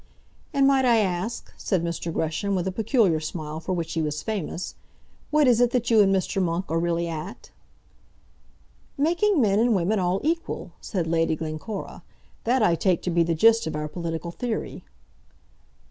"And might I ask," said Mr. Gresham, with a peculiar smile for which he was famous, "what it is that you and Mr. Monk are really at?" "Making men and women all equal," said Lady Glencora. "That I take to be the gist of our political theory."